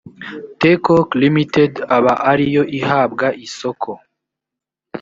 tecoc ltd aba ari yo ihabwa isoko